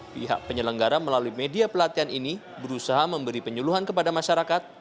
pihak penyelenggara melalui media pelatihan ini berusaha memberi penyuluhan kepada masyarakat